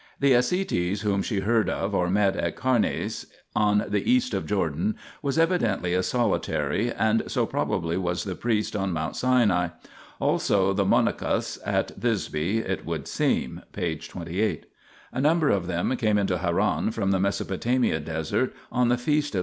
The ascitis whom she heard of or met at Carneas on the east of Jordan was evidently a solitary, and so probably was the priest on Mount Sinai : also the monachus at Thisbe, it would seem (p. 28). A number of them came into Haran from the Mesopotamia desert on the Feast of S.